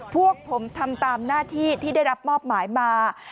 พวกผมทำตามหน้าที่ที่ได้รับมอบหมายมา